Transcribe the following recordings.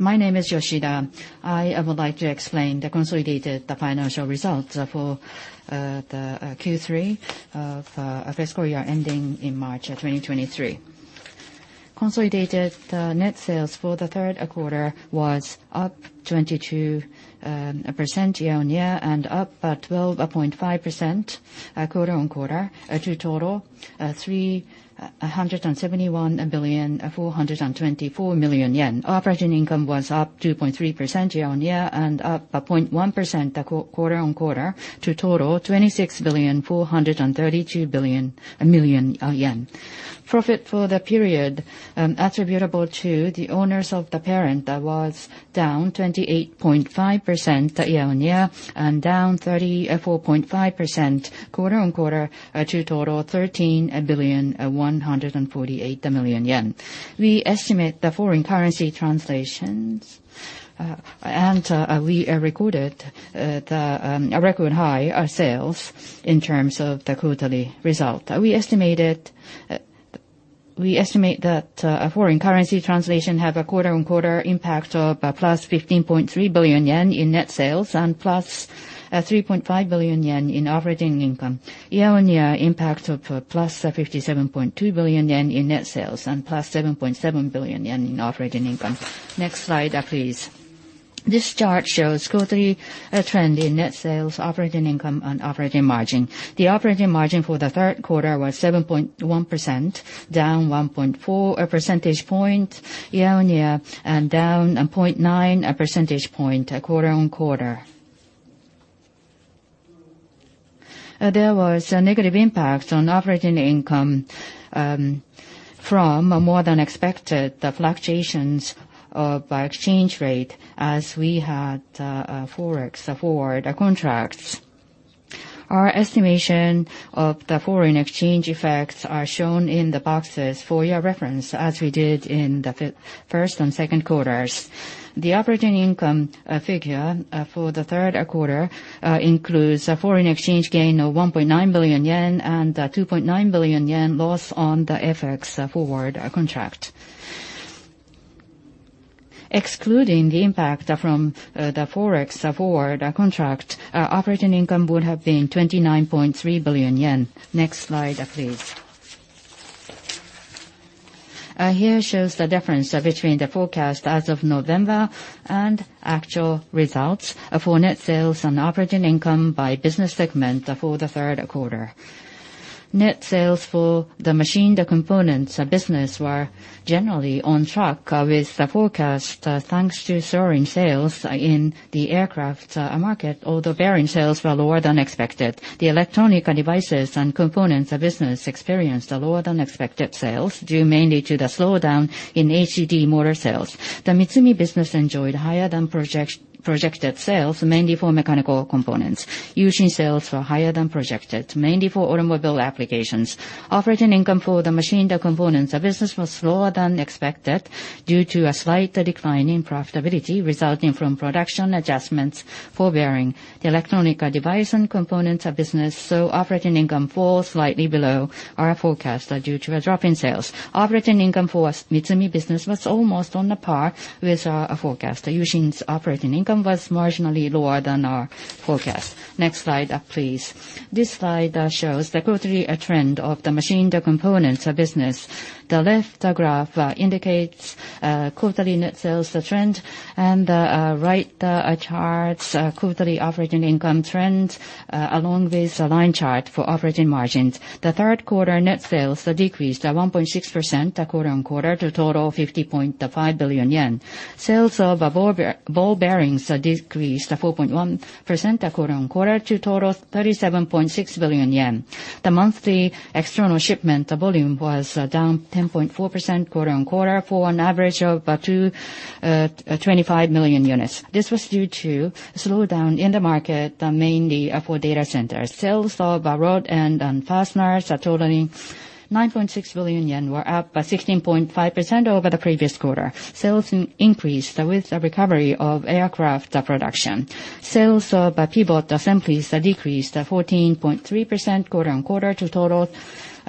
My name is Yoshida. I would like to explain the consolidated financial results for the Q3 of fiscal year ending in March of 2023. Consolidated net sales for the third quarter was up 22% year-on-year and up 12.5% quarter-on-quarter to total 371.424 billion. Operating income was up 2.3% year-on-year and up 0.1% quarter-on-quarter to total 26.432 billion. Profit for the period attributable to the owners of the parent that was down 28.5% year-on-year and down 34.5% quarter-on-quarter to total 13.148 billion. We estimate the foreign currency translations, and we recorded a record high sales in terms of the quarterly result. We estimate that foreign currency translation have a quarter-on-quarter impact of +15.3 billion yen in net sales and +3.5 billion yen in operating income. Year-on-year impact of +57.2 billion yen in net sales and +7.7 billion yen in operating income. Next slide, please. This chart shows quarterly trend in net sales, operating income, and operating margin. The operating margin for the third quarter was 7.1%, down 1.4 percentage point year-on-year and down 0.9 percentage point quarter-on-quarter. There was a negative impact on operating income from more than expected the fluctuations of exchange rate as we had foreign exchange forward contracts. Our estimation of the foreign exchange effects are shown in the boxes for your reference, as we did in the first and second quarters. The operating income figure for the third quarter includes a foreign exchange gain of 1.9 billion yen and 2.9 billion yen loss on the FX forward contract. Excluding the impact from the foreign exchange forward contract, our operating income would have been 29.3 billion yen. Next slide, please. Here shows the difference between the forecast as of November and actual results for net sales and operating income by business segment for the third quarter. Net sales for the machinery components business were generally on track with the forecast, thanks to soaring sales in the aircraft market, although bearing sales were lower than expected. The electronic devices and components business experienced lower than expected sales, due mainly to the slowdown in HDD motor sales. The Mitsumi business enjoyed higher than projected sales, mainly for mechanical components. U-Shin sales were higher than projected, mainly for automobile applications. Operating income for the machinery components business was lower than expected due to a slight decline in profitability resulting from production adjustments for bearings. The electronic devices and components business operating income falls slightly below our forecast, due to a drop in sales. Operating income for Mitsumi business was almost on par with our forecast. U-Shin's operating income was marginally lower than our forecast. Next slide, please. This slide shows the quarterly trend of the machine, the components of business. The left graph indicates quarterly net sales trend, and the right charts quarterly operating income trend along with a line chart for operating margins. The third quarter net sales decreased 1.6% quarter-on-quarter to a total of 50.5 billion yen. Sales of ball bearings decreased 4.1% quarter-on-quarter to total 37.6 billion yen. The monthly external shipment volume was down 10.4% quarter-on-quarter for an average of 25 million units. This was due to a slowdown in the market, mainly for data centers. Sales of Rod-end & Fasteners totaling 9.6 billion yen were up 16.5% over the previous quarter. Sales increased with the recovery of aircraft production. Sales of pivot assemblies decreased 14.3% quarter-on-quarter to total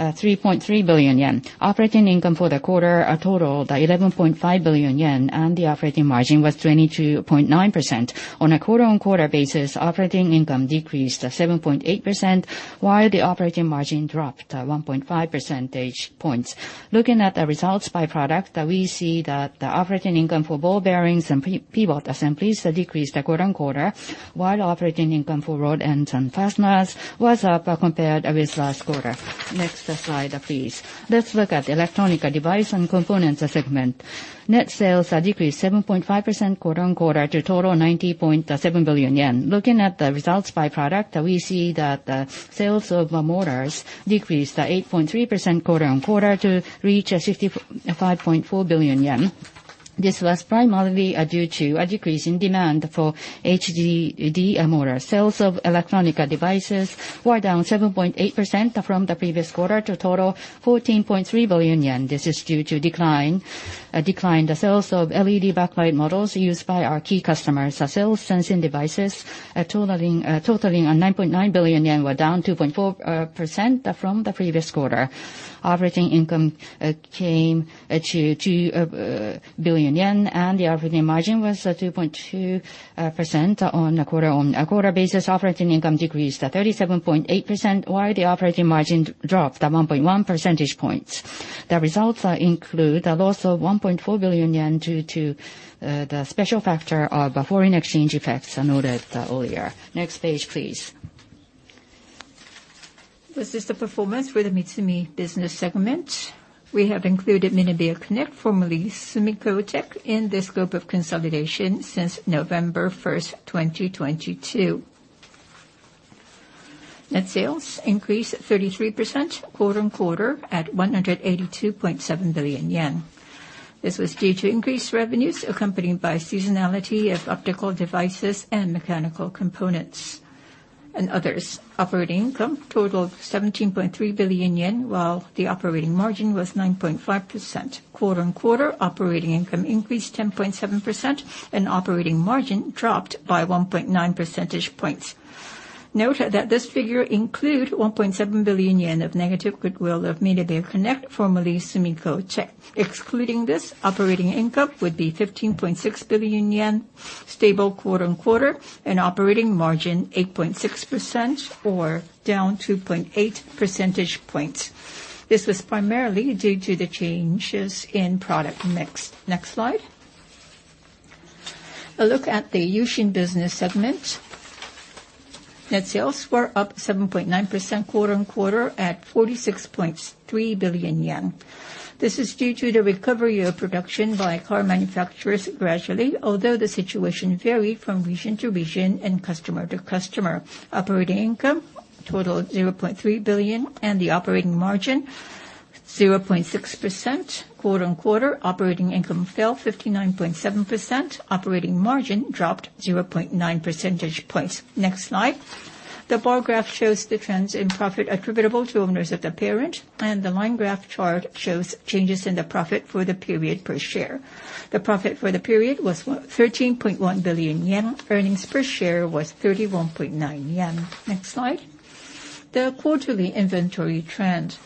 3.3 billion yen. Operating income for the quarter totaled 11.5 billion yen. The operating margin was 22.9%. On a quarter-on-quarter basis, operating income decreased 7.8%, while the operating margin dropped 1.5 percentage points. Looking at the results by product, we see that the operating income for ball bearings and pivot assemblies decreased quarter-on-quarter, while operating income for Rod-end & Fasteners was up compared with last quarter. Next slide, please. Let's look at electronic device and components segment. Net sales decreased 7.5% quarter-on-quarter to total 90.7 billion yen. Looking at the results by product, we see that the sales of motors decreased 8.3% quarter-on-quarter to reach 55.4 billion yen. This was primarily due to a decrease in demand for HDD and motor. Sales of electronic devices were down 7.8% from the previous quarter to total 14.3 billion yen. This is due to a decline the sales of LED backlight models used by our key customers. The sales sensing devices, totaling on 9.9 billion yen were down 2.4% from the previous quarter. Operating income came to 2 billion yen, and the operating margin was at 2.2% on a quarter-on-quarter basis. Operating income decreased at 37.8%, while the operating margin dropped at 1.1 percentage points. The results include a loss of 1.4 billion yen due to the special factor of a foreign exchange effects noted earlier. Next page, please. This is the performance for the Mitsumi business segment. We have included Minebea Connect, formerly SUMIKO TEC, in the scope of consolidation since 12/1/2022. Net sales increased 33% quarter-on-quarter at 182.7 billion yen. This was due to increased revenues accompanied by seasonality of optical devices and mechanical components and others. Operating income totaled 17.3 billion yen, while the operating margin was 9.5%. Quarter-on-quarter operating income increased 10.7% and operating margin dropped by 1.9 percentage points. Note that this figure include 1.7 billion yen of negative goodwill of Minebea Connect, formerly SUMIKO TEC. Excluding this, operating income would be 15.6 billion yen, stable quarter-on-quarter, and operating margin 8.6% or down 2.8 percentage points. This was primarily due to the changes in product mix. Next slide. A look at the U-Shin business segment. Net sales were up 7.9% quarter-over-quarter at 46.3 billion yen. This is due to the recovery of production by car manufacturers gradually, although the situation varied from region to region and customer to customer. Operating income totaled 0.3 billion, and the operating margin 0.6%. Quarter-over-quarter operating income fell 59.7%. Operating margin dropped 0.9 percentage points. Next slide. The bar graph shows the trends in profit attributable to owners of the parent, and the line graph chart shows changes in the profit for the period per share. The profit for the period was 13.1 billion yen. Earnings per share was 31.9 yen. Next slide. The quarterly inventory trend.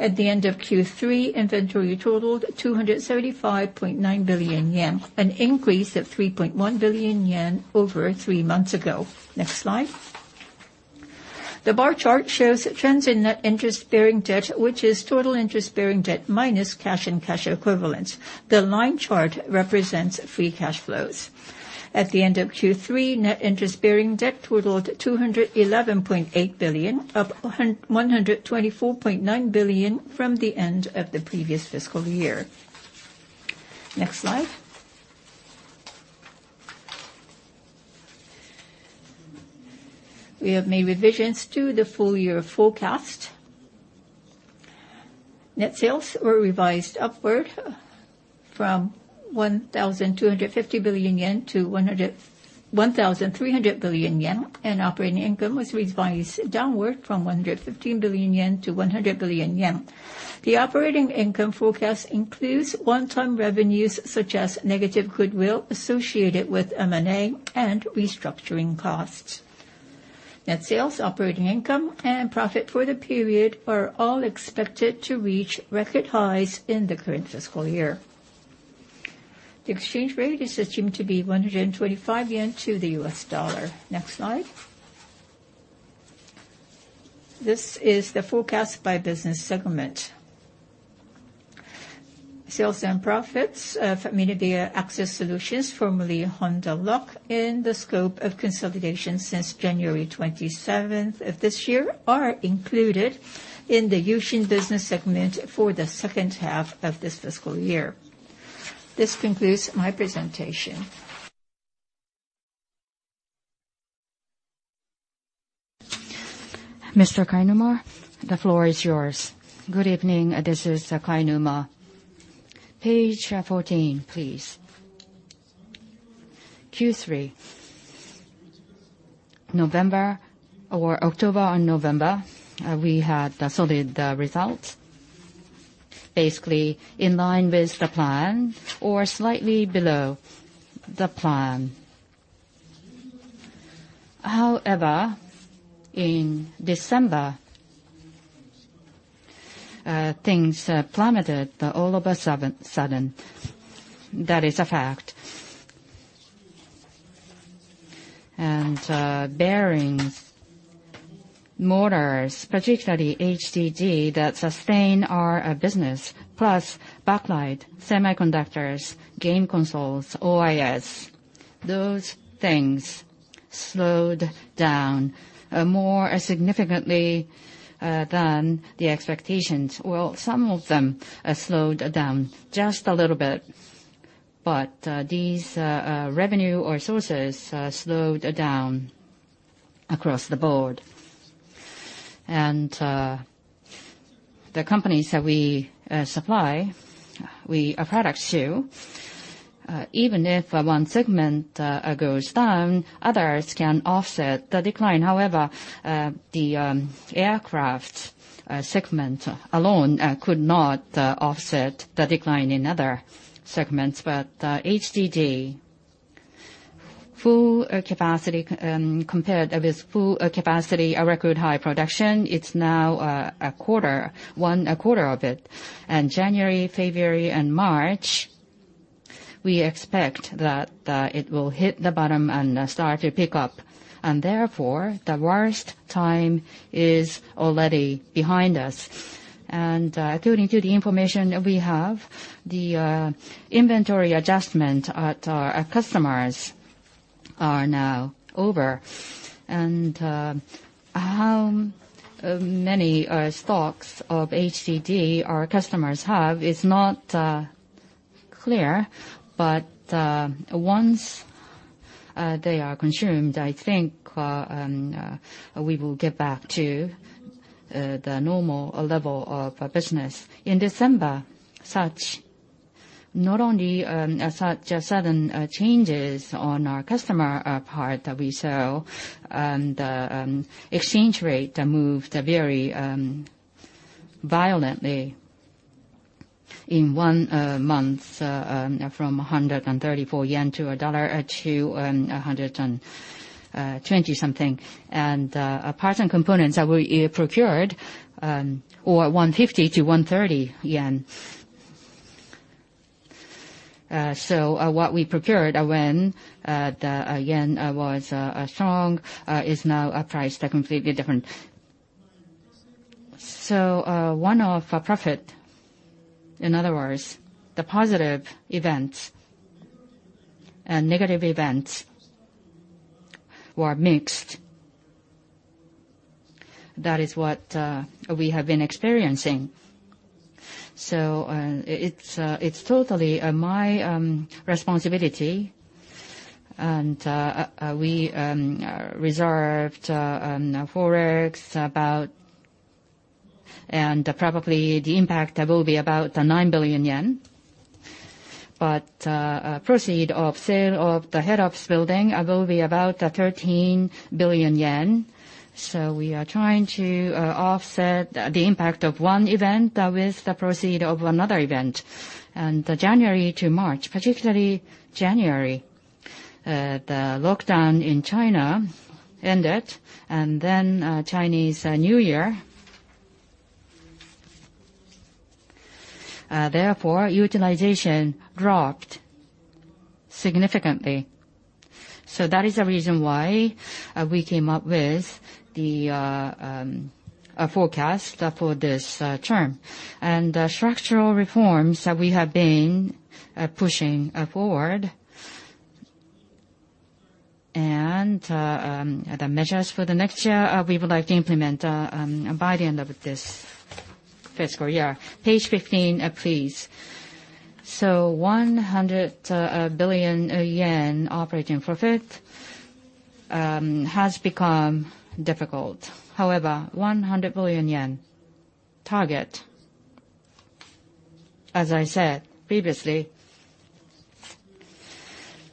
At the end of Q3, inventory totaled 275.9 billion yen, an increase of 3.1 billion yen over three months ago. Next slide. The bar chart shows trends in net interest-bearing debt, which is total interest-bearing debt minus cash and cash equivalents. The line chart represents free cash flows. At the end of Q3, net interest-bearing debt totaled JPY 211.8 billion, up JPY 124.9 billion from the end of the previous fiscal year. Next slide. We have made revisions to the full year forecast. Net sales were revised upward from 1,250 billion-1,300 billion yen, and operating income was revised downward from 115 billion-100 billion yen. The operating income forecast includes one-time revenues such as negative goodwill associated with M&A and restructuring costs. Net sales, operating income, and profit for the period are all expected to reach record highs in the current fiscal year. The exchange rate is assumed to be 125 yen to the US dollar. Next slide. This is the forecast by business segment. Sales and profits for Minebea AccessSolutions, formerly Honda Lock, in the scope of consolidation since January 27th of this year, are included in the U-Shin business segment for the second half of this fiscal year. This concludes my presentation. Mr. Kainuma, the floor is yours. Good evening. This is Kainuma. Page 14, please. Q3. November or October and November, we had a solid result, basically in line with the plan or slightly below the plan. In December, things plummeted all of a sudden. That is a fact. Bearings, motors, particularly HDD that sustain our business, plus backlight, semiconductors, game consoles, OIS, those things slowed down more significantly than the expectations. Some of them slowed down just a little bit, but these revenue or sources slowed down across the board. The companies that we supply, we have products too. Even if one segment goes down, others can offset the decline. However, the aircraft segment alone could not offset the decline in other segments. HDD, full capacity... Compared with full capacity, a record high production, it's now a quarter of it. January, February, and March, we expect that it will hit the bottom and start to pick up. Therefore, the worst time is already behind us. According to the information that we have, the inventory adjustment at our customers are now over. Many stocks of HDD our customers have is not clear, but once they are consumed, I think we will get back to the normal level of business. In December, not only such a sudden changes on our customer part that we sell, exchange rate moved very violently in one month from 134 yen to a dollar to 120 something. Parts and components that we procured were 150-130. What we procured when the yen was strong is now a price completely different. One of profit, in other words, the positive events and negative events were mixed. That is what we have been experiencing. It's totally my responsibility. We reserved foreign exchange about... Probably the impact will be about 9 billion yen. A proceed of sale of the head office building will be about 13 billion yen. We are trying to offset the impact of one event with the proceed of another event. January to March, particularly January, the lockdown in China ended and Chinese New Year. Therefore, utilization dropped significantly. That is the reason why we came up with the forecast for this term. Structural reforms that we have been pushing forward, and the measures for the next year, we would like to implement by the end of this fiscal year. Page 15, please. 100 billion yen operating profit has become difficult. 100 billion yen target, as I said previously,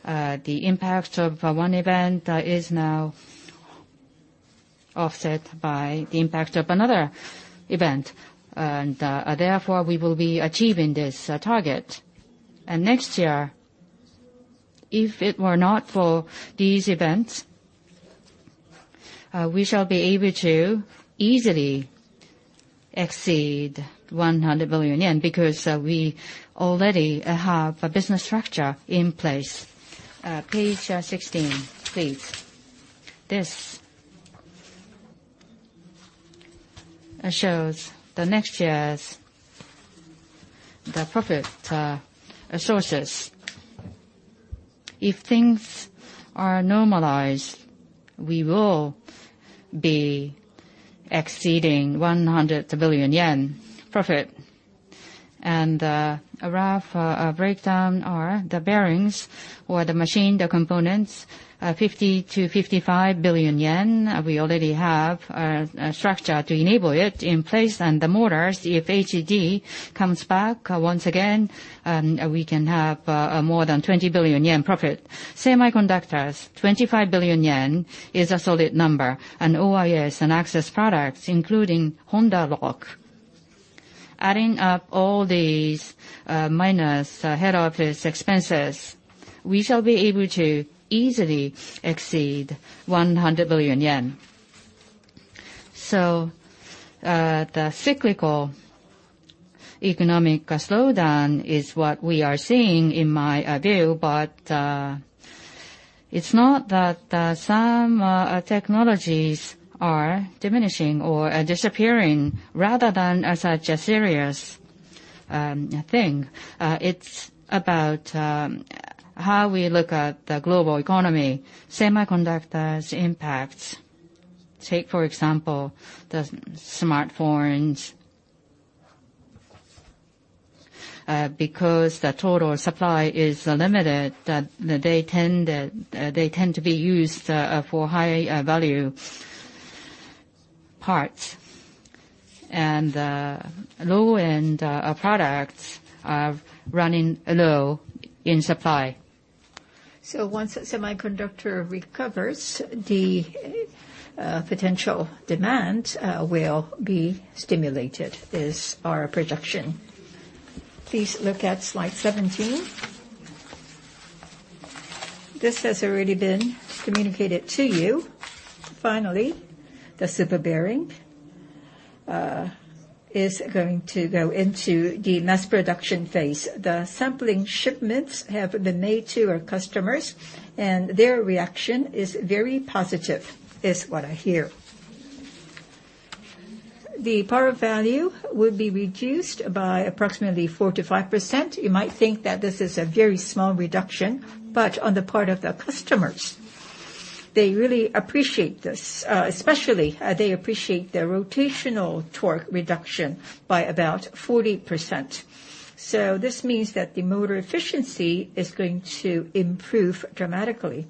the impact of one event is now offset by the impact of another event. Therefore, we will be achieving this target. Next year, if it were not for these events, we shall be able to easily exceed 100 billion yen because we already have a business structure in place. Page 16, please. This shows the next year's profit sources. If things are normalized, we will be exceeding JPY 100 billion profit. A rough breakdown are the bearings or the machine, the components, 50 billion-55 billion yen. We already have a structure to enable it in place. The motors, if HDD comes back once again, we can have more than 20 billion yen profit. Semiconductors, 25 billion yen is a solid number. OIS and access products, including Honda Lock. Adding up all these, minus head office expenses, we shall be able to easily exceed 100 billion yen. The cyclical economic slowdown is what we are seeing, in my view, but it's not that some technologies are diminishing or disappearing. Rather than such a serious thing, it's about how we look at the global economy. Semiconductors impacts, take for example, the smartphones. Because the total supply is limited, they tend to be used for high value parts. The low-end products are running low in supply. Once the semiconductor recovers, the potential demand will be stimulated is our projection. Please look at slide 17. This has already been communicated to you. Finally, the Super Bearing is going to go into the mass production phase. The sampling shipments have been made to our customers, and their reaction is very positive, is what I hear. The power value will be reduced by approximately 4%-5%. You might think that this is a very small reduction, but on the part of the customers, they really appreciate this. Especially, they appreciate the rotational torque reduction by about 40%. This means that the motor efficiency is going to improve dramatically.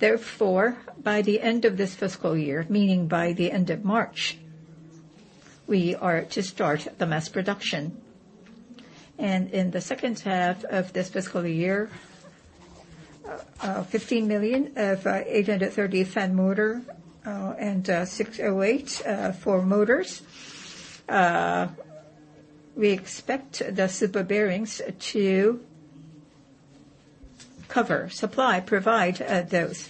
Therefore, by the end of this fiscal year, meaning by the end of March, we are to start the mass production. In the second half of this fiscal year, 15 million of 830 fan motor and 608 for motors, we expect the Super Bearings to cover supply, provide those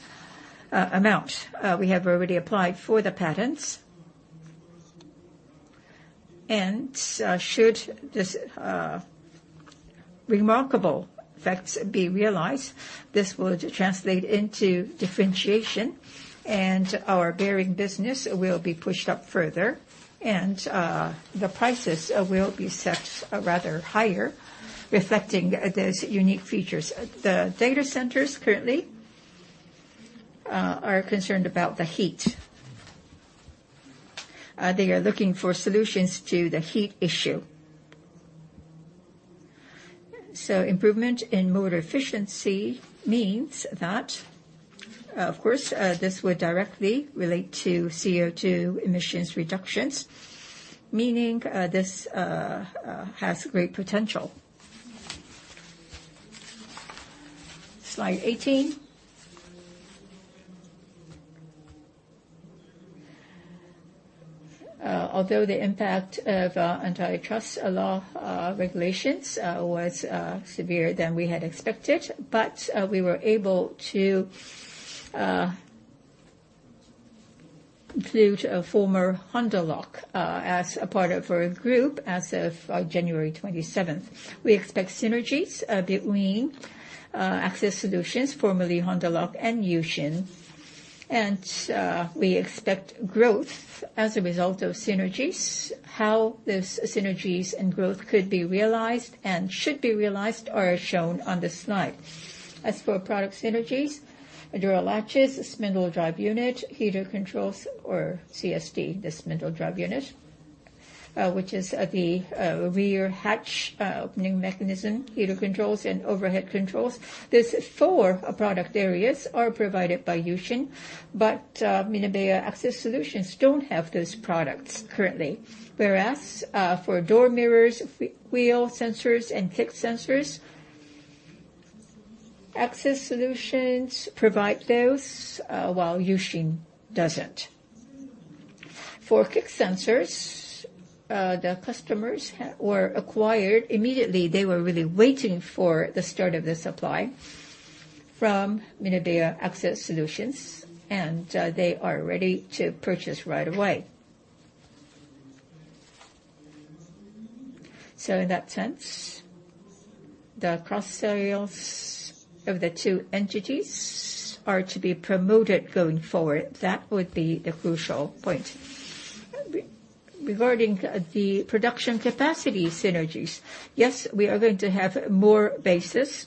amounts. We have already applied for the patents. Should this remarkable effects be realized, this will translate into differentiation, and our bearing business will be pushed up further, and the prices will be set rather higher, reflecting those unique features. The data centers currently are concerned about the heat. They are looking for solutions to the heat issue. Improvement in motor efficiency means that, of course, this would directly relate to CO2 emissions reductions, meaning this has great potential. Slide 18. Although the impact of antitrust law regulations was severe than we had expected, but we were able to include a former Honda Lock as a part of our group as of January 27th. We expect synergies between AccessSolutions, formerly Honda Lock and U-Shin. We expect growth as a result of synergies, how those synergies and growth could be realized and should be realized are shown on this slide. As for product synergies, door latches, spindle drive unit, heater controls or CSD, the spindle drive unit, which is the rear hatch opening mechanism, heater controls and overhead controls. These four product areas are provided by U-Shin, but Minebea AccessSolutions don't have those products currently. Whereas for door mirrors, wheel sensors and kick sensors, AccessSolutions provide those while U-Shin doesn't. For kick sensors, the customers were acquired immediately. They were really waiting for the start of the supply from Minebea AccessSolutions, and they are ready to purchase right away. In that sense, the cross sales of the two entities are to be promoted going forward. That would be the crucial point. Regarding the production capacity synergies, yes, we are going to have more bases,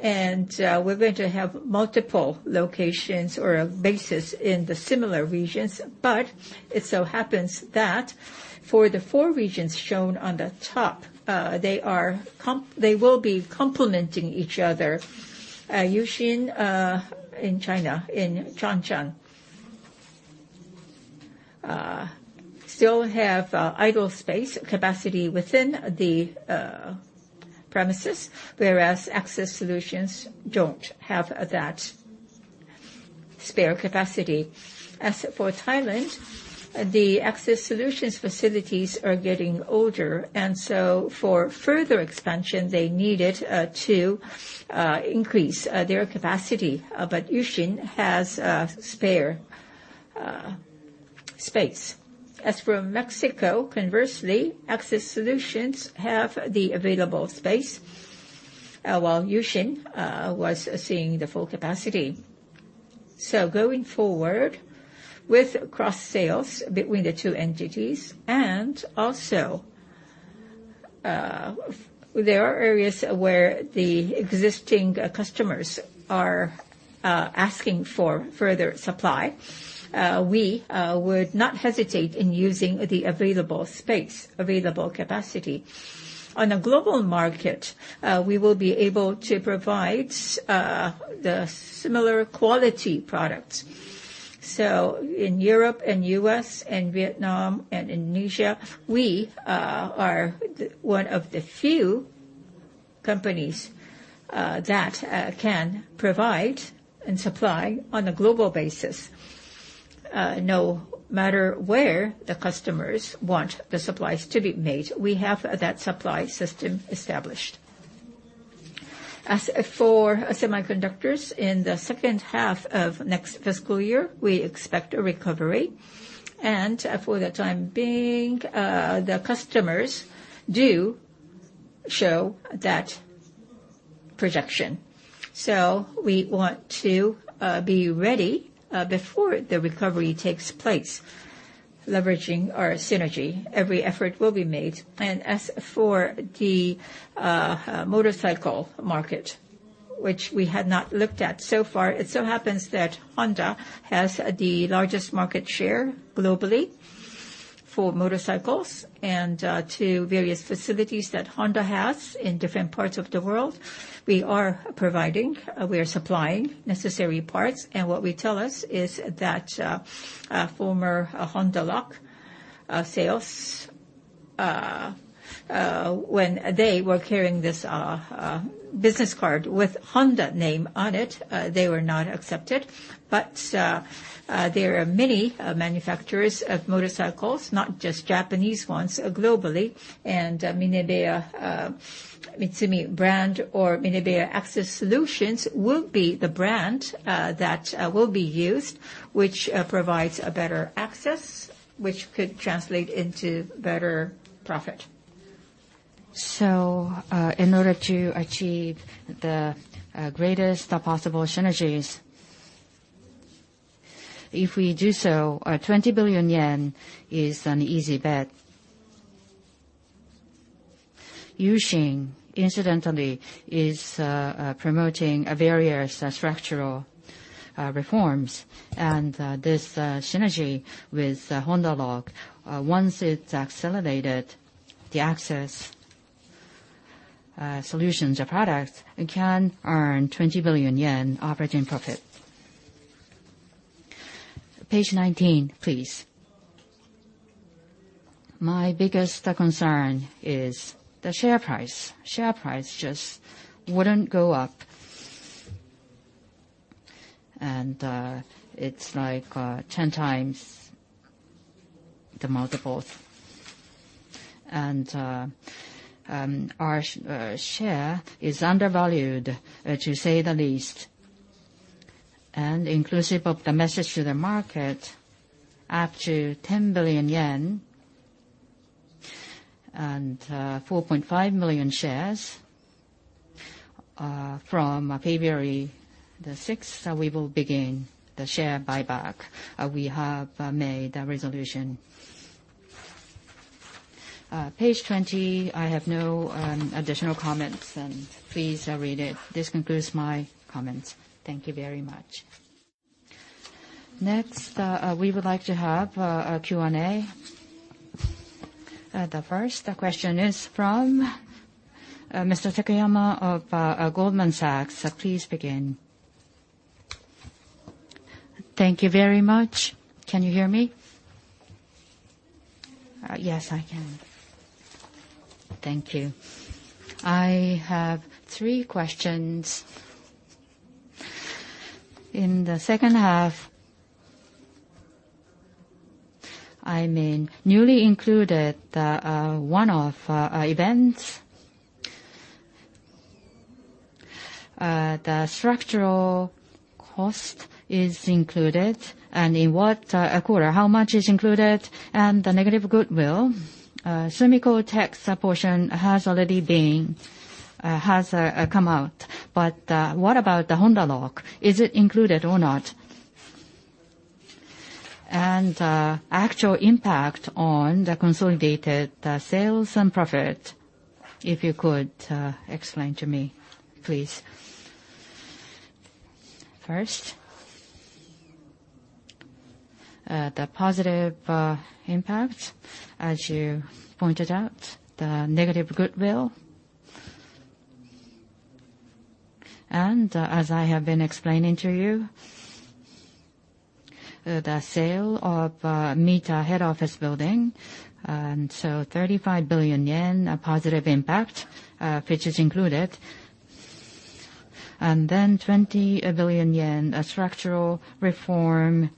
and we're going to have multiple locations or bases in the similar regions. It so happens that for the four regions shown on the top, they will be complementing each other. U-Shin, in China, in Chongqing, still have idle space capacity within the premises, whereas AccessSolutions don't have that spare capacity. As for Thailand, the AccessSolutions facilities are getting older. For further expansion, they needed to increase their capacity. U-Shin has spare space. As for Mexico, conversely, AccessSolutions have the available space while U-Shin was seeing the full capacity. Going forward with cross-sales between the two entities, and also, there are areas where the existing customers are asking for further supply, we would not hesitate in using the available space, available capacity. On a global market, we will be able to provide the similar quality products. In Europe and U.S. and Vietnam and Indonesia, we are one of the few companies that can provide and supply on a global basis. No matter where the customers want the supplies to be made, we have that supply system established. As for semiconductors in the second half of next fiscal year, we expect a recovery. For the time being, the customers do show that projection. We want to be ready before the recovery takes place, leveraging our synergy, every effort will be made. As for the motorcycle market, which we had not looked at so far, it so happens that Honda has the largest market share globally for motorcycles and to various facilities that Honda has in different parts of the world, we are providing, we are supplying necessary parts. What we tell us is that a former Honda Lock sales when they were carrying this business card with Honda name on it, they were not accepted. There are many manufacturers of motorcycles, not just Japanese ones, globally, and MinebeaMitsumi brand or Minebea AccessSolutions will be the brand that will be used, which provides a better access, which could translate into better profit. In order to achieve the greatest possible synergies, if we do so, our 20 billion yen is an easy bet. U-Shin incidentally is promoting various structural reforms. This synergy with Honda Lock, once it's accelerated the access solutions or products, it can earn 20 billion yen operating profit. Page 19, please. My biggest concern is the share price. Share price just wouldn't go up. It's like 10x the multiples. Our share is undervalued, to say the least. Inclusive of the message to the market, up to 10 billion yen and 4.5 million shares, from February the 6th, we will begin the share buyback. We have made a resolution. Page 20, I have no additional comments, please read it. This concludes my comments. Thank you very much. Next, we would like to have a Q&A. The first question is from Mr. Takanori Akiyama of Goldman Sachs. Please begin. Thank you very much. Can you hear me? Yes, I can. Thank you. I have three questions. In the second half, I mean, newly included one-off events, the structural cost is included. In what quarter, how much is included? Regarding the negative goodwill, SUMIKO TEC's portion has already come out, but what about the Honda Lock? Is it included or not? Actual impact on the consolidated sales and profit, if you could explain to me, please. First, the positive impact, as you pointed out, the negative goodwill. As I have been explaining to you, the sale of Mita head office building, so 35 billion yen, a positive impact, which is included. Then 20 billion yen, a structural reform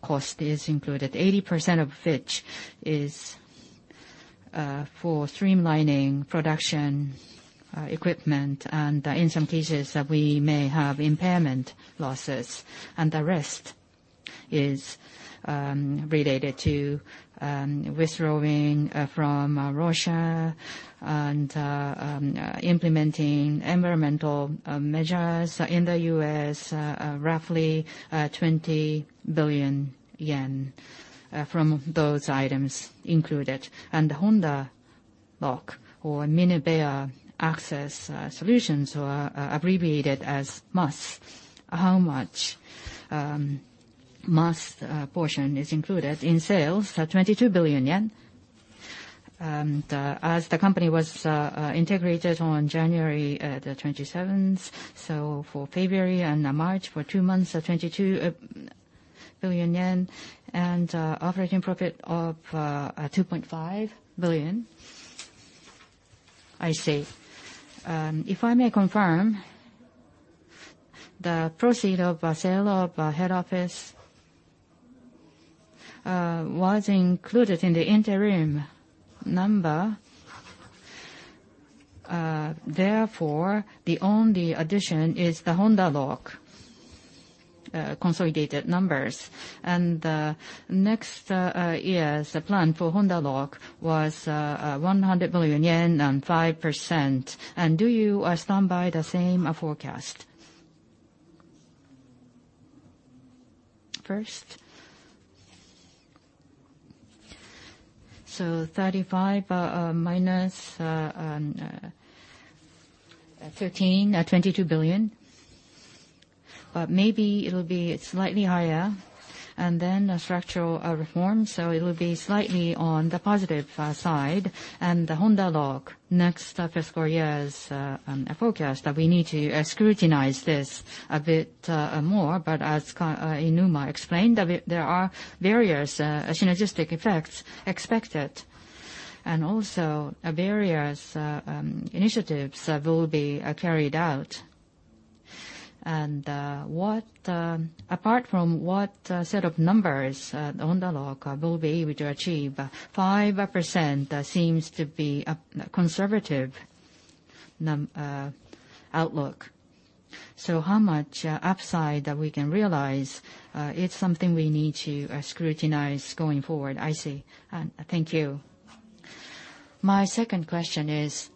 cost is included. 80% of which is for streamlining production equipment, and in some cases, we may have impairment losses, and the rest is related to withdrawing from Russia and implementing environmental measures in the U.S., roughly 20 billion yen, from those items included. The Honda Lock or Minebea AccessSolutions or abbreviated as MASS. How much MASS portion is included in sales? 22 billion yen. And, uh, as the company was, uh, uh, integrated on January 27th, so for February and, uh, March, for two months, 22 billion yen and, uh, operating profit of, uh, uh, 2.5 billion. I see. Um, if I may confirm, the proceed of, uh, sale of, uh, head office, uh, was included in the interim number. Uh, therefore, the only addition is the Honda Lock, uh, consolidated numbers. And, uh, next, uh, uh, year's plan for Honda Lock was, uh, uh, 100 billion yen and 5%. And do you, uh, stand by the same, uh, forecast? First. So 35-13 uh, 22 billion. But maybe it'll be slightly higher and then a structural, uh, reform, so it will be slightly on the positive, uh, side. The Honda Lock next fiscal year's forecast that we need to scrutinize this a bit more. As Kainuma explained, that there are various synergistic effects expected and also various initiatives that will be carried out. What, apart from what set of numbers, the Honda Lock will be able to achieve, 5% seems to be a conservative outlook. How much upside that we can realize, it's something we need to scrutinize going forward. I see. Thank you. My second question is,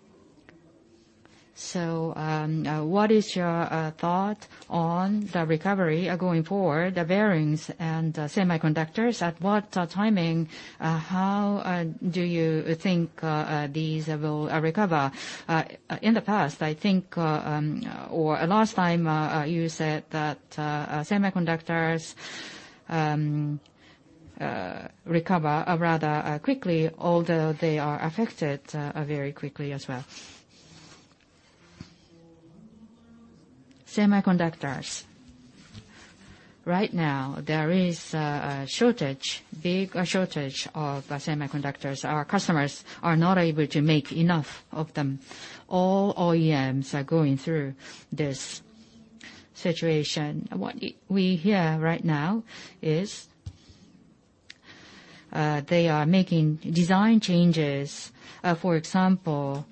what is your thought on the recovery going forward, the bearings and semiconductors? At what timing, how do you think these will recover? In the past, I think, or last time, you said that semiconductors recover rather quickly although they are affected very quickly as well. Semiconductors. Right now, there is a big shortage of semiconductors. Our customers are not able to make enough of them. All OEMs are going through this situation. What we hear right now is, they are making design changes. For example,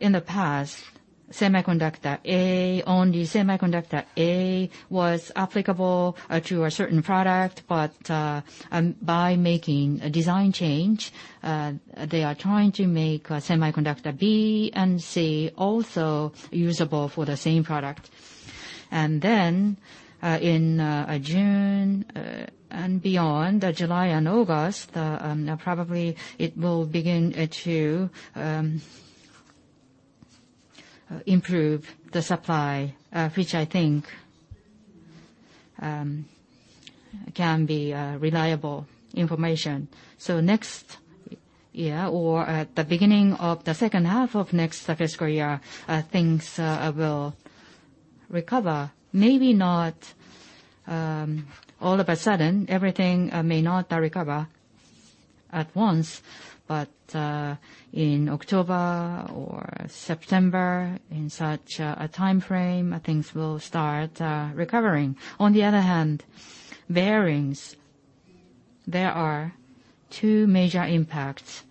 in the past, semiconductor A, only semiconductor A was applicable to a certain product, but by making a design change, they are trying to make semiconductor B and C also usable for the same product. In June and beyond, July and August, probably it will begin to improve the supply, which I think can be reliable information. Next year or the beginning of the second half of next fiscal year, things will recover. Maybe not all of a sudden, everything may not recover at once, but in October or September, in such a timeframe, things will start recovering. On the other hand, bearings, there are two major impacts.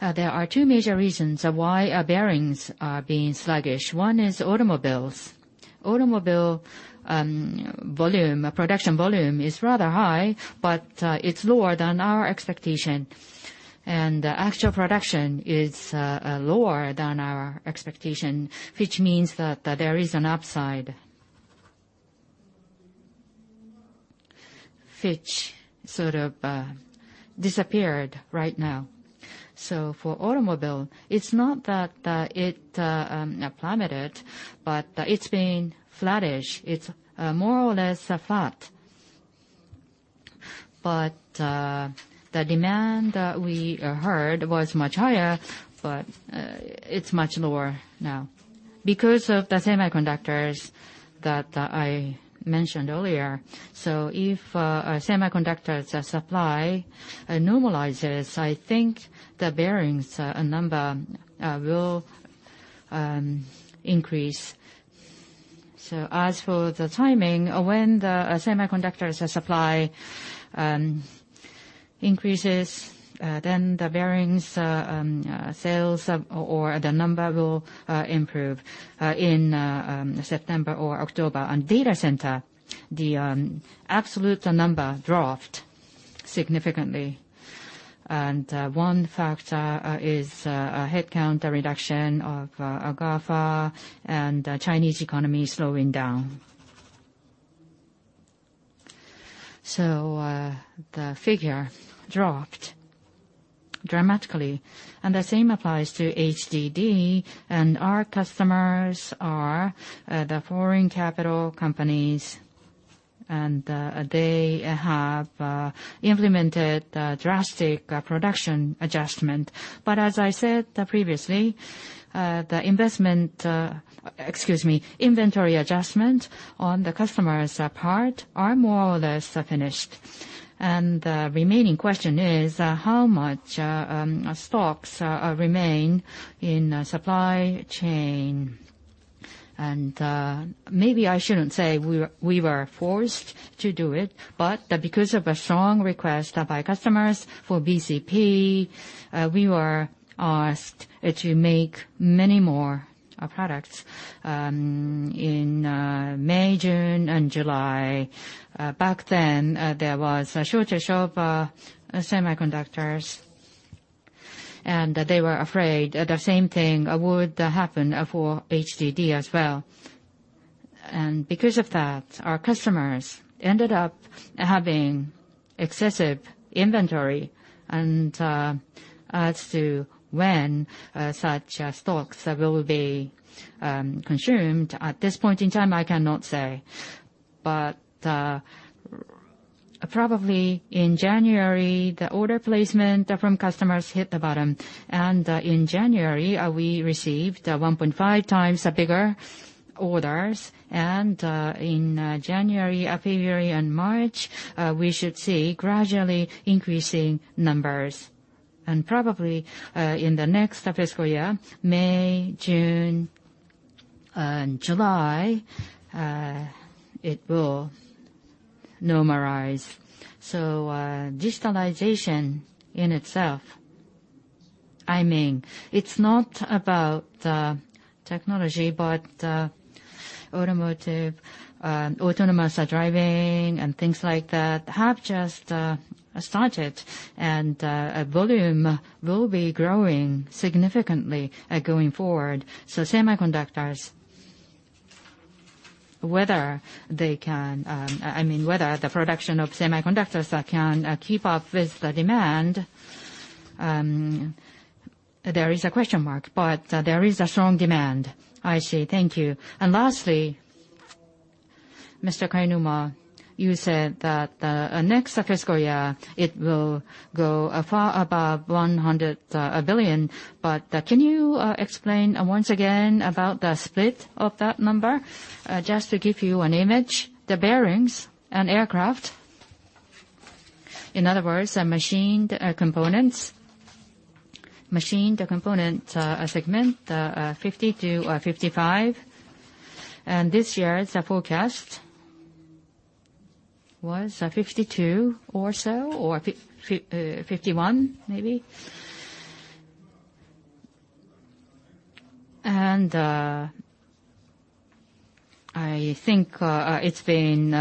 There are two major reasons why our bearings are being sluggish. One is automobiles. Automobile volume, production volume is rather high, but it's lower than our expectation. Actual production is lower than our expectation, which means that there is an upside which sort of disappeared right now. For automobile, it's not that it plummeted, but it's been flattish. It's more or less flat. The demand that we heard was much higher, but it's much lower now because of the semiconductors that I mentioned earlier. If our semiconductors supply normalizes, I think the bearings number will increase. As for the timing, when the semiconductors supply increases, then the bearings sales or the number will improve in September or October. Data center, the absolute number dropped significantly. One factor is headcount reduction of GAFA and Chinese economy slowing down. The figure dropped dramatically, and the same applies to HDD. Our customers are the foreign capital companies, and they have implemented a drastic production adjustment. As I said previously, the investment, excuse me, inventory adjustment on the customer's part are more or less finished. The remaining question is how much stocks remain in supply chain. Maybe I shouldn't say we were forced to do it, but because of a strong request by customers for BCP, we were asked to make many more products in May, June, and July. Back then, there was a shortage of semiconductors, and they were afraid the same thing would happen for HDD as well. Because of that, our customers ended up having excessive inventory. As to when such stocks will be consumed at this point in time, I cannot say. Probably in January, the order placement from customers hit the bottom, in January, we received 1.5x bigger orders. In January, February, and March, we should see gradually increasing numbers. Probably, in the next fiscal year, May, June, and July, it will normalize. Digitalization in itself, I mean, it's not about the technology, but automotive, autonomous driving and things like that have just started, and volume will be growing significantly going forward. Semiconductors, whether they can, I mean, whether the production of semiconductors can keep up with the demand, there is a question mark, but there is a strong demand. I see. Thank you. Lastly, Mr. Kainuma, you said that the next fiscal year, it will go far above 100 billion. Can you explain once again about the split of that number? Just to give you an image, the bearings and aircraft, in other words, machined components, machined components segment, 50 billion-55 billion. This year's forecast was 52 billion or so, or 51 billion maybe. I think it's been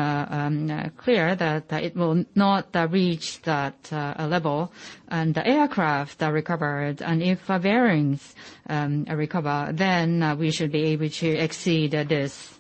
clear that it will not reach that level. The aircraft recovered, and if bearings recover, then we should be able to exceed this level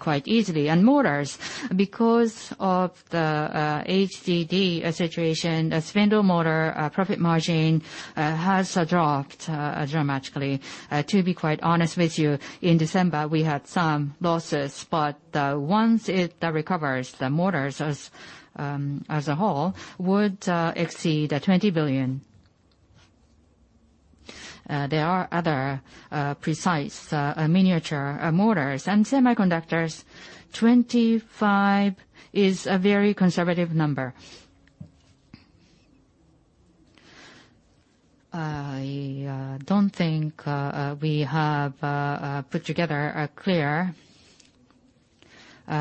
quite easily. Motors, because of the HDD situation, spindle motor profit margin has dropped dramatically. To be quite honest with you, in December, we had some losses, but once it recovers, the motors as a whole would exceed 20 billion. There are other precise miniature motors. Semiconductors, 25 billion is a very conservative number. I don't think we have put together a clear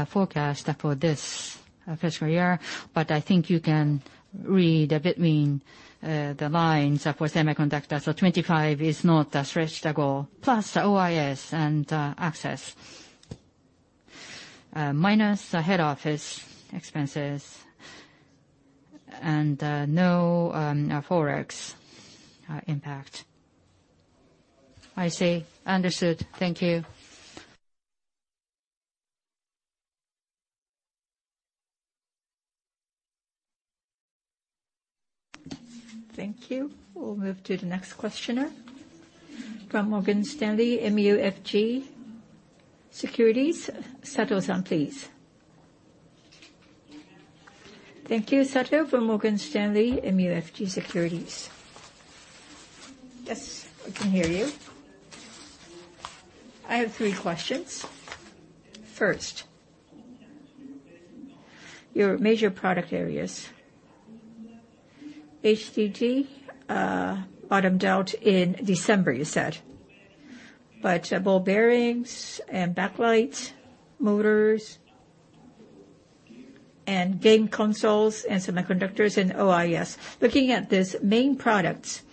forecast for this fiscal year, but I think you can read between the lines for semiconductors. 25 is not a stretch goal, plus OIS and Access, minus head office expenses and no foreign exchange impact. I see. Understood. Thank you. Thank you. We'll move to the next questioner from Morgan Stanley MUFG Securities. Yasuo Sato, please. Thank you, Yasuo Sato from Morgan Stanley MUFG Securities. Yes, I can hear you. I have three questions. First, your major product areas, HDD bottomed out in December, you said, but ball bearings and backlights, motors and game consoles and semiconductors and OIS. Looking at these main products,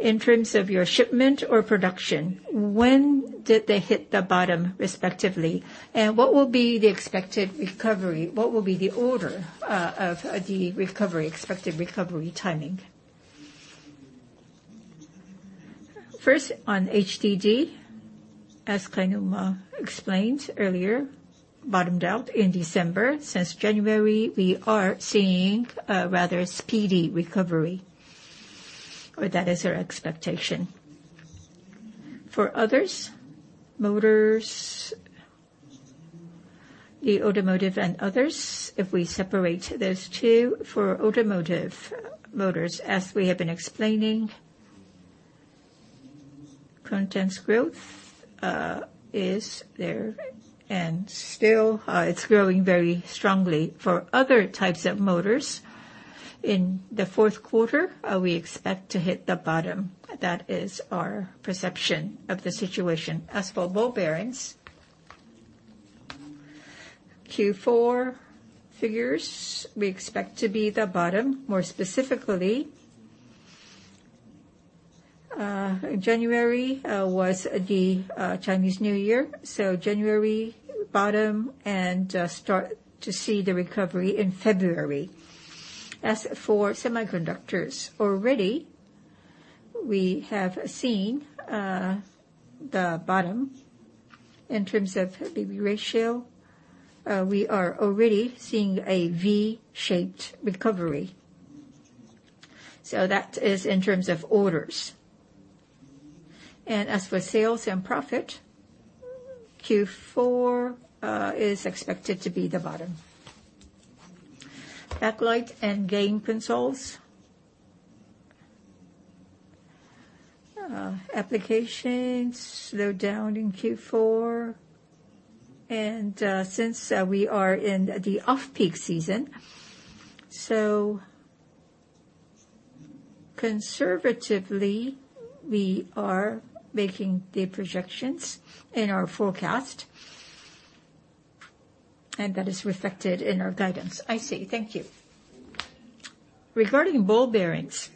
in terms of your shipment or production, when did they hit the bottom respectively? What will be the expected recovery? What will be the order of the recovery, expected recovery timing? First, on HDD, as Kainuma explained earlier, bottomed out in December. Since January, we are seeing a rather speedy recovery, or that is our expectation. For others, motors, the automotive and others, if we separate those two, for automotive motors, as we have been explaining, contents growth, is there and still, it's growing very strongly. For other types of motors, in the fourth quarter, we expect to hit the bottom. That is our perception of the situation. As for ball bearings, Q4 figures, we expect to be the bottom. More specifically, January was the Chinese New Year, so January bottom and start to see the recovery in February. As for semiconductors, already we have seen the bottom in terms of BB ratio. We are already seeing a V-shaped recovery. That is in terms of orders. As for sales and profit, Q4 is expected to be the bottom. backlight and game consoles. Applications slowed down in Q4 and since we are in the off-peak season, so conservatively, we are making the projections in our forecast, and that is reflected in our guidance. I see. Thank you. Regarding ball bearings.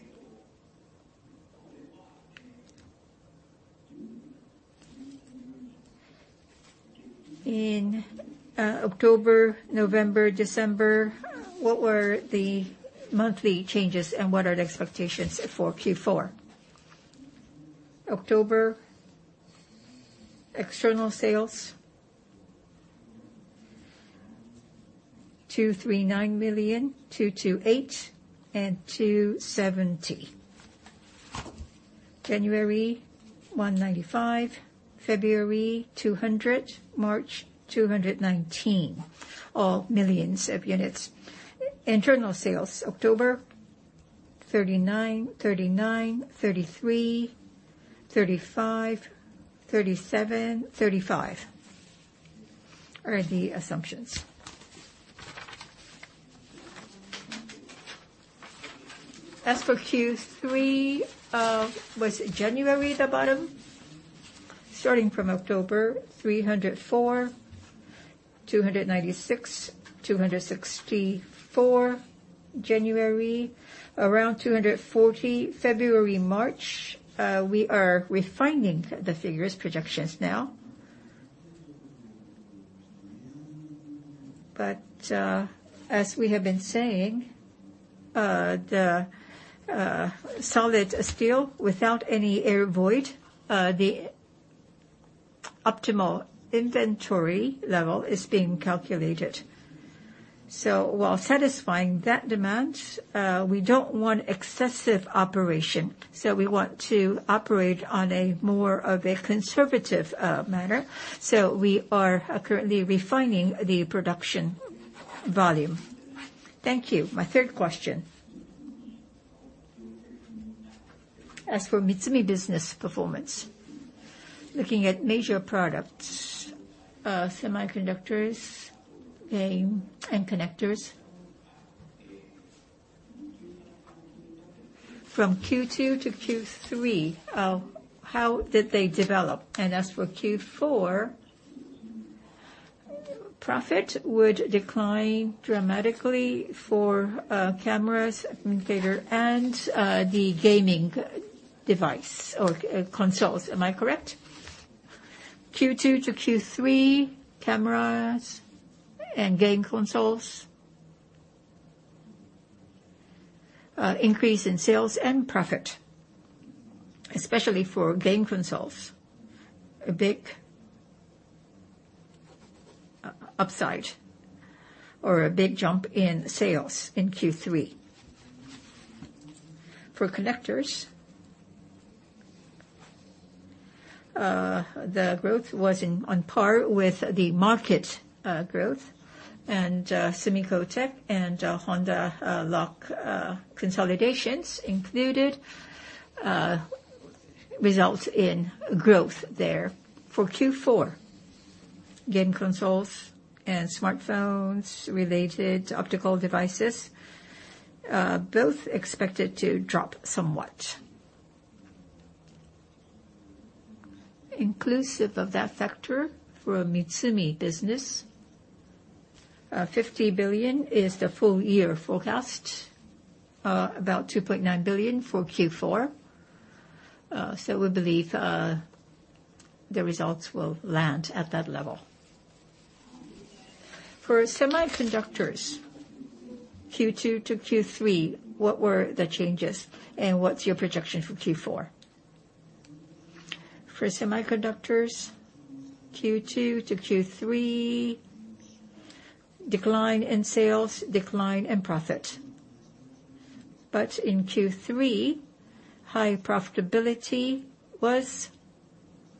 In October, November, December, what were the monthly changes, and what are the expectations for Q4? October, external sales, 239 million, 228, and 270. January, 195. February, 200. March, 219. All millions of units. Internal sales, October, 39, 33, 35, 37, 35 are the assumptions. As for Q3, was January the bottom? Starting from October, 304, 296, 264. January, around 240. February, March, we are refining the figures projections now. As we have been saying, the solid steel without any air void, the optimal inventory level is being calculated. While satisfying that demand, we don't want excessive operation, so we want to operate on a more of a conservative manner. We are currently refining the production volume. Thank you. My third question. As for Mitsumi business performance, looking at major products, semiconductors, game, and connectors. From Q2 to Q3, how did they develop? As for Q4, profit would decline dramatically for cameras, printer, and the gaming device or consoles. Am I correct? Q2 to Q3, cameras and game consoles, increase in sales and profit, especially for game consoles. A big upside or a big jump in sales in Q3. For connectors, the growth was on par with the market growth, and SUMIKO TEC and Honda Lock consolidations included, results in growth there. For Q4, game consoles and smartphones related optical devices, both expected to drop somewhat. Inclusive of that factor for Mitsumi business, 50 billion is the full year forecast, about 2.9 billion for Q4. We believe the results will land at that level. For semiconductors, Q2 to Q3, what were the changes, and what's your projection for Q4? For semiconductors, Q2 to Q3, decline in sales, decline in profit. In Q3, high profitability was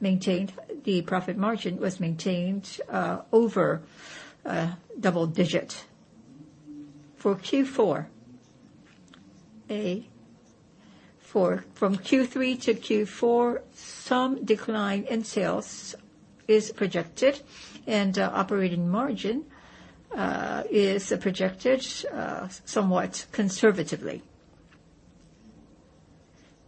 maintained. The profit margin was maintained over double-digit. For Q4, from Q3 to Q4, some decline in sales is projected, and operating margin is projected somewhat conservatively.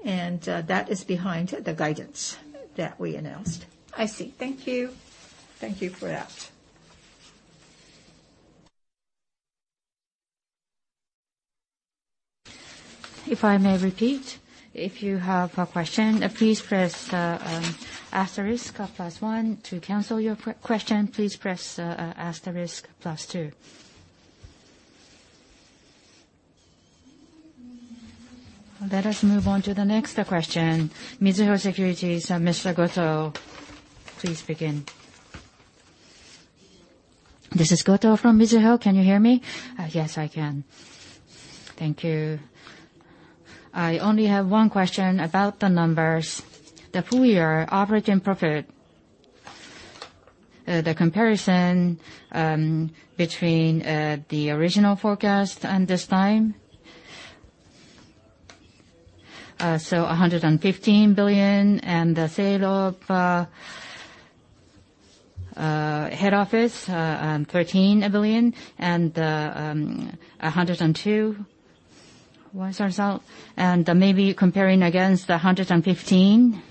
That is behind the guidance that we announced. I see. Thank you. Thank you for that. If I may repeat, if you have a question, please press the asterisk or +1. To cancel your question, please press asterisk +2. Let us move on to the next question. Mizuho Securities, Mr. André Goto, please begin. This is André Goto from Mizuho. Can you hear me? Yes, I can. Thank you. I only have one question about the numbers. The full year operating profit, the comparison between the original forecast and this time. 115 billion and the sale of head office, 13 billion and 102 was our result. Maybe comparing against the 115.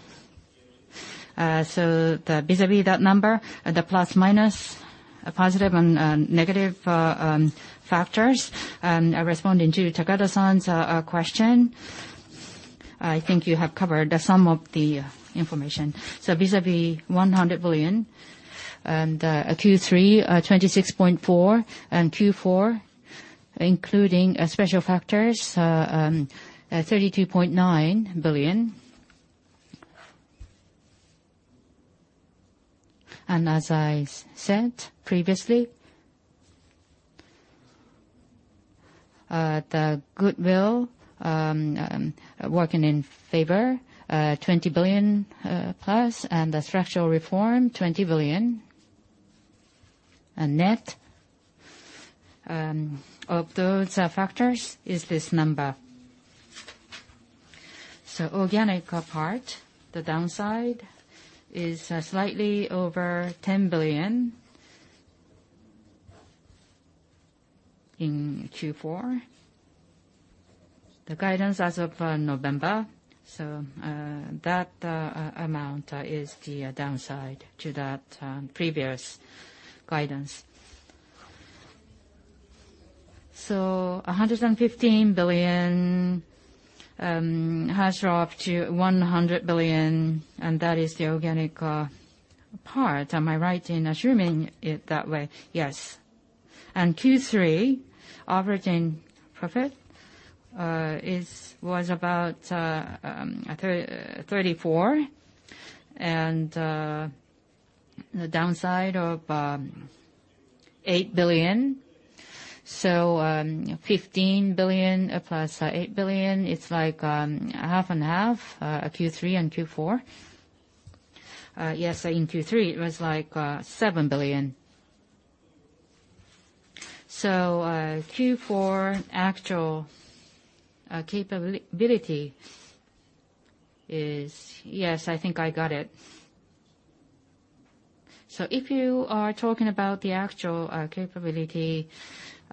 Vis-à-vis that number, the plus, minus, positive and negative factors. Responding to Takanori's question, I think you have covered some of the information. Vis-à-vis 100 billion and Q3, 26.4, and Q4, including special factors, 32.9 billion. As I said previously, the goodwill working in favor, +20 billion, and the structural reform, 20 billion. A net of those factors is this number. Organic part, the downside is slightly over JPY 10 billion in Q4. The guidance as of November, that amount is the downside to that previous guidance. 115 billion has dropped to 100 billion, and that is the organic part. Am I right in assuming it that way? Yes. Q3 operating profit was about 34 billion and the downside of 8 billion. 15 billion plus 8 billion, it's like half and half, Q3 and Q4. Yes. In Q3, it was like 7 billion. Q4 actual capability is. Yes, I think I got it. If you are talking about the actual capability,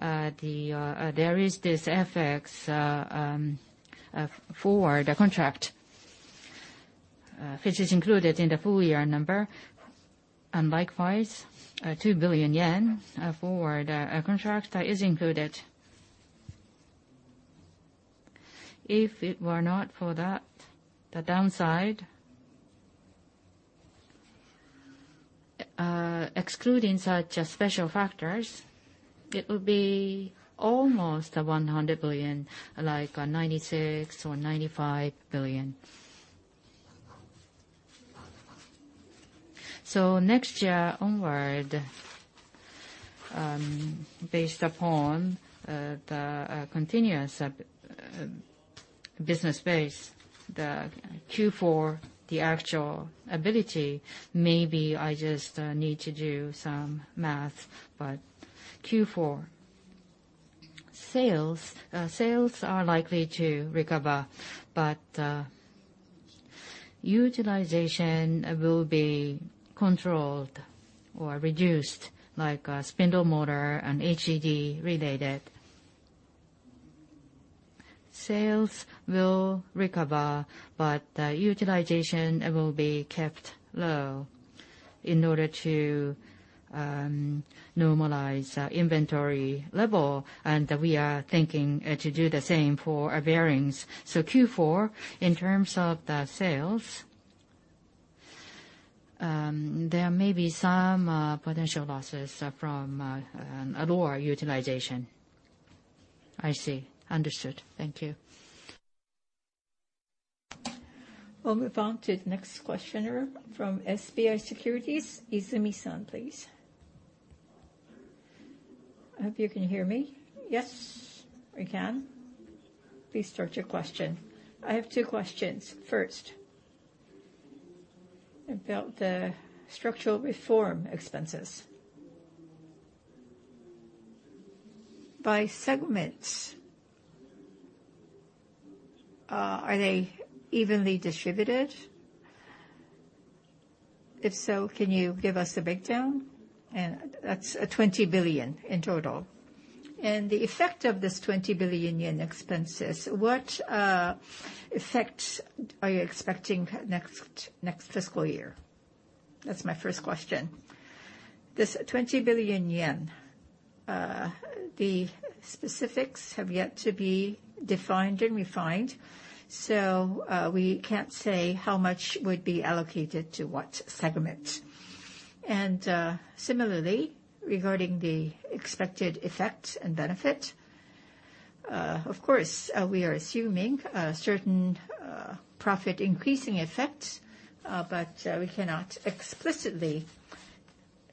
there is this FX forward contract which is included in the full year number. Likewise, 2 billion yen of forward contract is included. If it were not for that, the downside, excluding such special factors, it would be almost 100 billion, like 96 billion or 95 billion. Next year onward, based upon the continuous up business base, the Q4, the actual ability, maybe I just need to do some math. Q4 sales are likely to recover, but utilization will be controlled or reduced, like a spindle motor and HED related. Sales will recover, but utilization will be kept low in order to normalize inventory level. We are thinking to do the same for our bearings. Q4, in terms of the sales. There may be some potential losses from a lower utilization. I see. Understood. Thank you. We'll move on to the next questioner from SBI Securities. Izumi-san, please. I hope you can hear me. Yes. You can. Please start your question. I have two questions. First, about the structural reform expenses. By segments, are they evenly distributed? If so, can you give us a breakdown? That's 20 billion in total. The effect of this 20 billion yen expenses, what effects are you expecting next fiscal year? That's my first question. This 20 billion yen, the specifics have yet to be defined and refined, so we can't say how much would be allocated to what segment. Similarly, regarding the expected effect and benefit, of course, we are assuming a certain profit increasing effect, but we cannot explicitly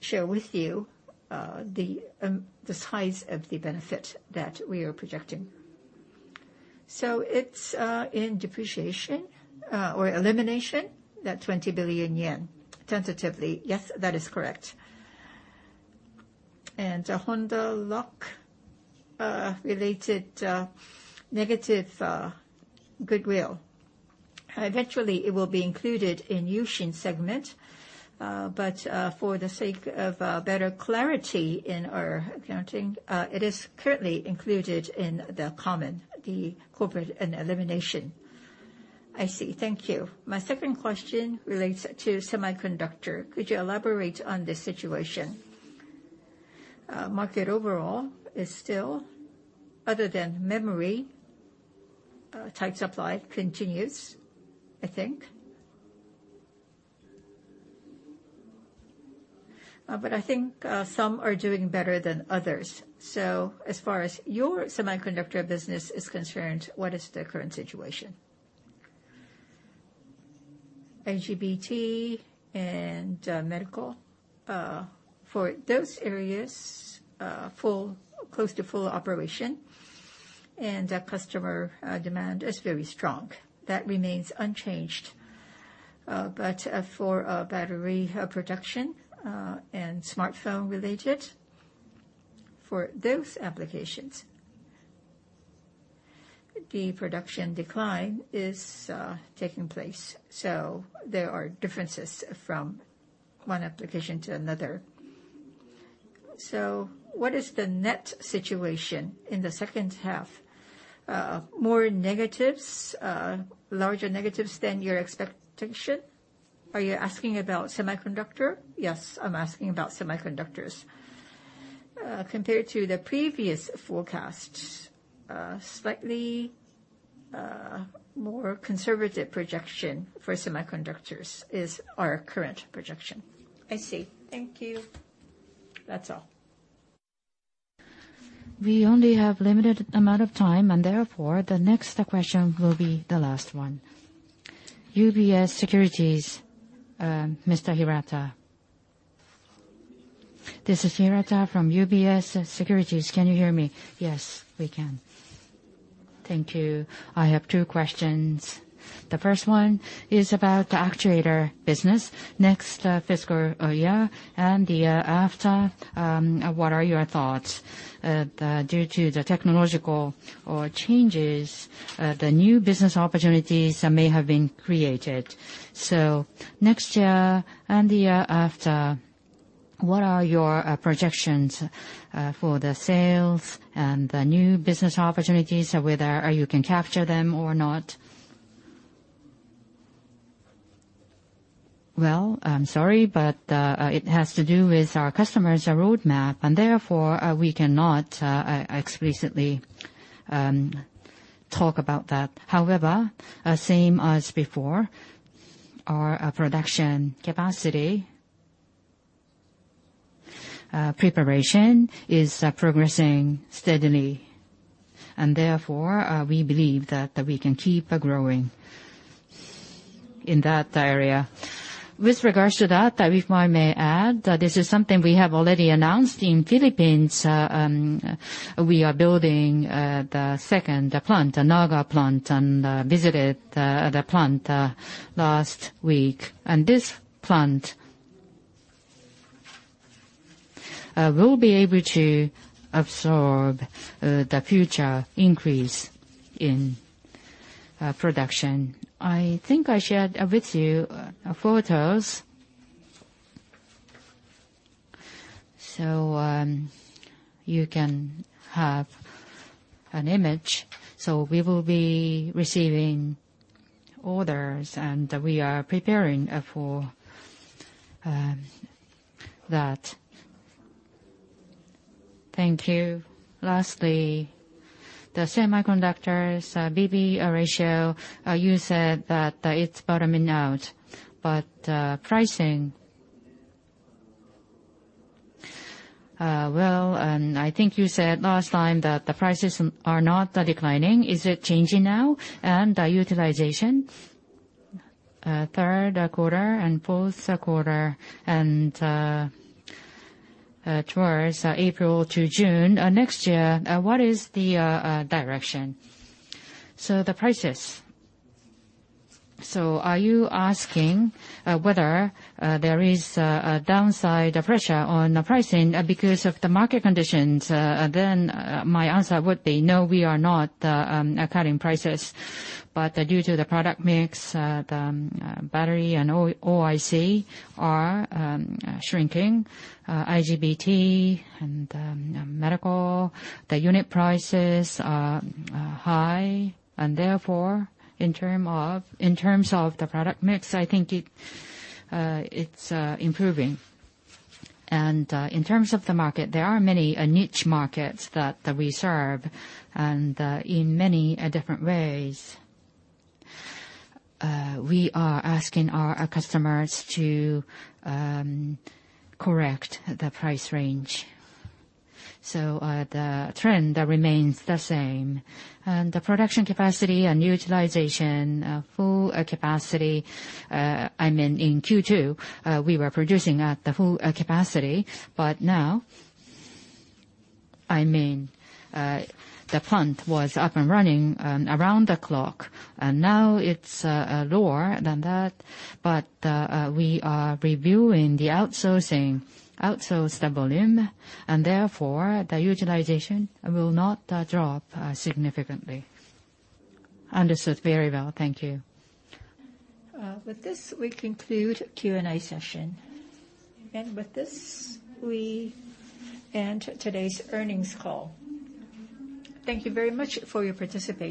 share with you the size of the benefit that we are projecting. So it's in depreciation, or elimination, that 20 billion yen? Tentatively, yes, that is correct. Honda Lock, related, negative, goodwill, eventually it will be included in U-Shin segment. For the sake of better clarity in our accounting, it is currently included in the common, the corporate and elimination. I see. Thank you. My second question relates to semiconductor. Could you elaborate on this situation? Market overall is still, other than memory, tight supply continues, I think. I think some are doing better than others. As far as your semiconductor business is concerned, what is the current situation? IGBT and medical, for those areas, close to full operation, and customer demand is very strong. That remains unchanged. For battery production and smartphone related, for those applications, the production decline is taking place. There are differences from one application to another. What is the net situation in the second half? More negatives? Larger negatives than your expectation? Are you asking about semiconductor? Yes, I'm asking about semiconductors. Compared to the previous forecast, slightly more conservative projection for semiconductors is our current projection. I see. Thank you. That's all. We only have limited amount of time, and therefore the next question will be the last one. UBS Securities, Mr. Hirata. This is Hirata from UBS Securities. Can you hear me? Yes, we can. Thank you. I have two questions. The first one is about the actuator business. Next fiscal year and the year after, what are your thoughts? Due to the technological or changes, the new business opportunities may have been created. Next year and the year after, what are your projections for the sales and the new business opportunities, whether you can capture them or not? Well, I'm sorry, but it has to do with our customers' roadmap. Therefore, we cannot explicitly talk about that. However, same as before, our production capacity preparation is progressing steadily. Therefore, we believe that we can keep growing in that area. With regards to that, if I may add, this is something we have already announced. In Philippines, we are building the second plant, Naga plant, and visited the plant last week. This plant will be able to absorb the future increase in production. I think I shared with you photos, so you can have an image. We will be receiving orders, and we are preparing for that. Thank you. Lastly, the semiconductors, BB ratio, you said that it's bottoming out. Pricing... well, and I think you said last time that the prices are not declining. Is it changing now? The utilization, third quarter and fourth quarter and towards April to June next year, what is the direction? The prices. Are you asking whether there is a downside pressure on the pricing because of the market conditions? Then my answer would be no, we are not cutting prices. Due to the product mix, the battery and OIC are shrinking. IGBT and medical, the unit prices are high, and therefore, in terms of the product mix, I think it's improving. In terms of the market, there are many niche markets that we serve, and in many different ways, we are asking our customers to correct the price range. The trend remains the same. The production capacity and utilization, full capacity, I mean in Q2, we were producing at the full capacity. Now, I mean, the plant was up and running around the clock, and now it's lower than that. We are reviewing the outsourcing, outsource the volume, and therefore, the utilization will not drop significantly. Understood. Very well. Thank you. With this, we conclude Q&A session. With this, we end today's earnings call. Thank you very much for your participation.